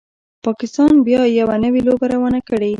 پاکستان بیا یوه نوي لوبه روانه کړي